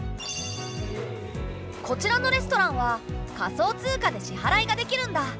こちらのレストランは仮想通貨で支払いができるんだ。